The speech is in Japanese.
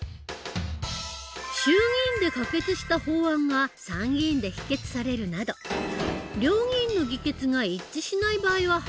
衆議院で可決した法案が参議院で否決されるなど両議院の議決が一致しない場合は廃案になる。